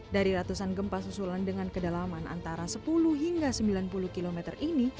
dari ratusan gempa susulan dengan kedalaman antara sepuluh hingga sembilan puluh km ini